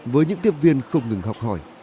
với những tiếp viên không ngừng học hỏi